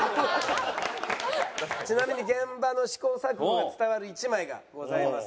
ちなみに現場の試行錯誤が伝わる１枚がございます。